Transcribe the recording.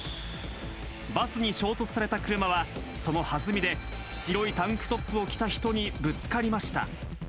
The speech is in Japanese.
バスに衝突された車は、そのはずみで白いタンクトップを着た人にぶつかりました。